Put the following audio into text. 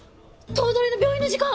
頭取の病院の時間！